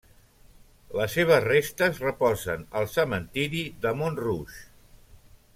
Les seves restes reposen al cementiri de Montrouge.